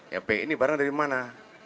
ya b ini barang dari mana